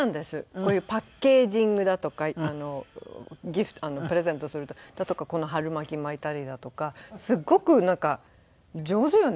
こういうパッケージングだとかギフトプレゼントするだとかこの春巻き巻いたりだとかすごくなんか上手よね